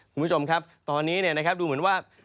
คุณผู้ชมครับตอนนี้ดูเหมือนว่า